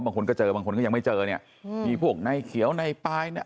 บางคนก็เจอบางคนก็ยังไม่เจอเนี่ยมีพวกในเขียวในปลายเนี่ย